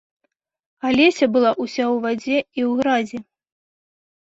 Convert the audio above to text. Алеся была ўся ў вадзе і ў гразі.